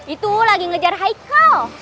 itu lagi ngejar haikal